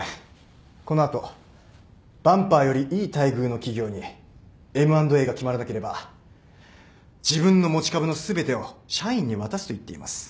この後バンパーよりいい待遇の企業にＭ＆Ａが決まらなければ自分の持ち株の全てを社員に渡すと言っています。